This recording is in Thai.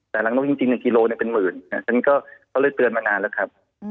แต่หลังนกจริงกิโลเป็นหมื่นฉะนั้นก็เลยเตือนมานานแล้วครับ